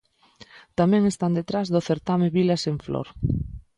Tamén están detrás do certame Vilas en flor.